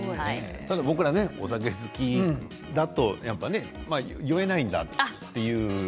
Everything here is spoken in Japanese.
僕らのようにお酒好きだと酔えないんだ、という。